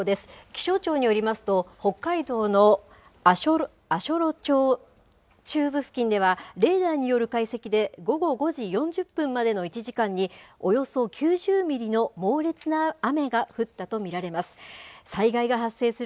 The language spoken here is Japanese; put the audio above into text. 気象庁によりますと、北海道の足寄町中部付近では、レーダーによる解析で午後５時４０分までの１時間におよそ９０ミリの猛烈な雨が降ったと見られます。